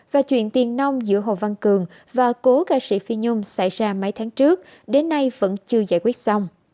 và chuyện tiền nông giữa hồ văn cường và cố ca sĩ phi nhung xảy ra mấy tháng trước đến nay vẫn chưa giải quyết xong